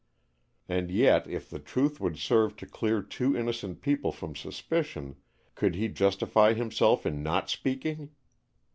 And yet if the truth would serve to clear two innocent people from suspicion, could he justify himself in not speaking?